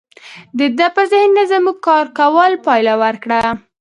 د ده پر ذهنیت زموږ کار کولو پایله ورکړه